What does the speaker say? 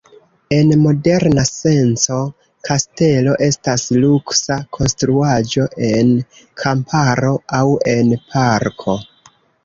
En moderna senco kastelo estas luksa konstruaĵo en kamparo aŭ en parko.